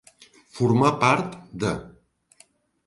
Formar part de.